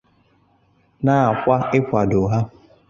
nakwa ịkwàdò ha